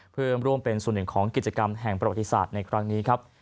เพื่อร่วมเป็นส่วนหนึ่งของกิจกรรมแห่งประวัติศาสตร์ในครั้งนี้ครับ